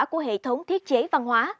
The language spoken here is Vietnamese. của hệ thống thiết chế văn hóa